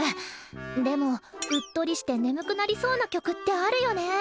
でもうっとりして眠くなりそうな曲ってあるよね。